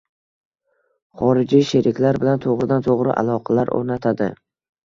xorijiy sheriklar bilan to`g`ridan-to`g`ri aloqalar o`rnatadi;